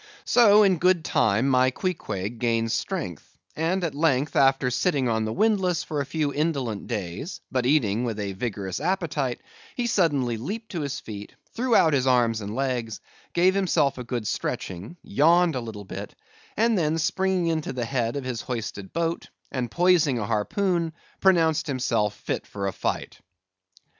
So, in good time my Queequeg gained strength; and at length after sitting on the windlass for a few indolent days (but eating with a vigorous appetite) he suddenly leaped to his feet, threw out his arms and legs, gave himself a good stretching, yawned a little bit, and then springing into the head of his hoisted boat, and poising a harpoon, pronounced himself fit for a fight.